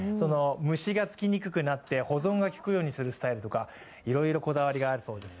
虫がつきにくくなって保存が利くようにするスタイルとかいろいろこだわりがあるようです。